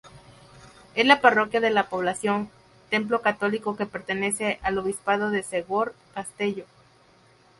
Es la parroquia de la población, templo católico que pertenece al obispado de Segorbe-Castelló.